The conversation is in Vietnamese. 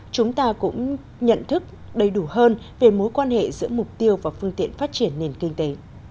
chúng ta cũng nhận thức đầy đủ hơn về mối quan hệ giữa mục tiêu và phương tiện phát triển nền kinh tế